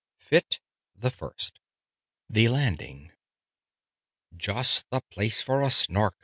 Fit the First THE LANDING "Just the place for a Snark!"